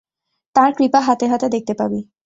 তাঁর কৃপা হাতে হাতে দেখতে পাবি।